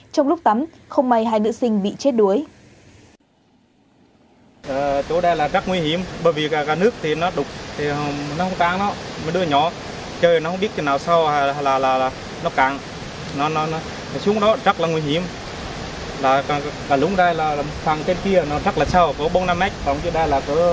trong lúc tắm không may hai nữ sinh bị chết đuối